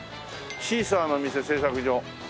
「シーサーの店製作所」